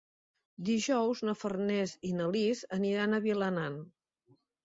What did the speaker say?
Dijous na Farners i na Lis aniran a Vilanant.